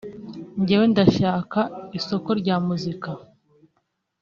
njyewe ndashaka isoko rya muzika